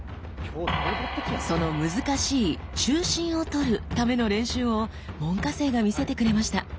その難しい「中心をとる」ための練習を門下生が見せてくれました。